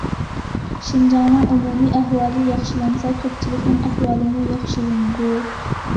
شىنجاڭنىڭ ئومۇمىي ئەھۋالى ياخشىلانسا، كۆپچىلىكنىڭ ئەھۋالىمۇ ياخشىلىنىدۇ.